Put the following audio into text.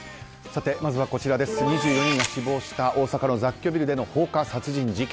まずは、２４人が死亡した大阪の雑居ビルでの放火殺人事件。